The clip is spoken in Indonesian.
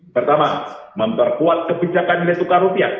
pertama memperkuat kebijakan nilai tukar rupiah